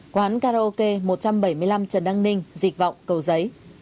quán karaoke một trăm bảy mươi năm trần đăng ninh dịch vọng cầu giấy